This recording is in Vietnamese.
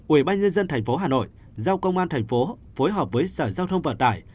ubnd tp hcm giao công an tp hcm phối hợp với sở giao thông vận tải